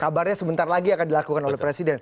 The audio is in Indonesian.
kabarnya sebentar lagi akan dilakukan oleh presiden